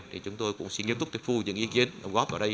thì chúng tôi cũng xin nghiêm túc tiếp thu những ý kiến góp vào đây